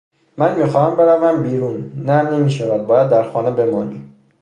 من میخواهم بروم بیرون. نه نمیشود. باید در خانه بمانی.